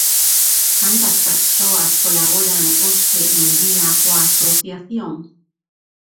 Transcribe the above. Cantas persoas colaboran hoxe en día coa asociación?